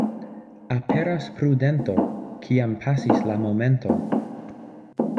Aperas prudento, kiam pasis la momento.